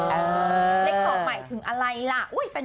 เลข๒หมายถึงอะไรล่ะ